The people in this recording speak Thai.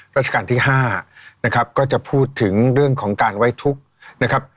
ราชการที่๕นะครับก็จะพูดถึงเรื่องของการไว้ทุกข์นะครับ